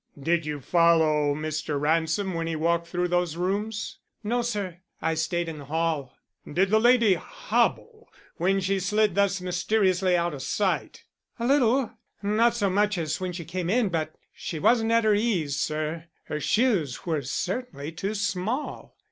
"Did you follow Mr. Ransom when he walked through those rooms?" "No, sir; I stayed in the hall." "Did the lady hobble when she slid thus mysteriously out of sight?" "A little. Not so much as when she came in. But she wasn't at her ease, sir. Her shoes were certainly too small."